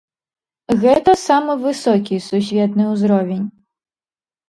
Гэта самы высокі сусветны ўзровень.